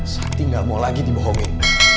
sakti gak mau lagi dibohongin